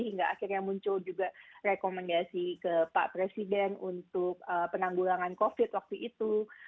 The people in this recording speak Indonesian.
hingga akhirnya muncul juga rekomendasi ke pak presiden untuk penanggulangan covid waktu itu